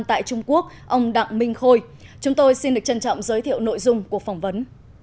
tại trung quốc ông đặng minh khôi chúng tôi xin được trân trọng giới thiệu nội dung cuộc phỏng vấn